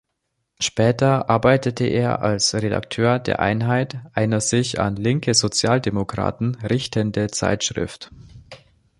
Später arbeitete er als Redakteur der "Einheit", einer sich an linke Sozialdemokraten richtenden Zeitschrift.